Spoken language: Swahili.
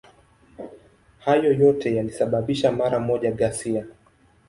Hayo yote yalisababisha mara moja ghasia.